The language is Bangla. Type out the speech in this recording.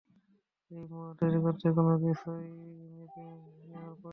এই মোয়া তৈরি করতে কোনো কিছুই মেপে নেওয়ার প্রয়োজন নেই।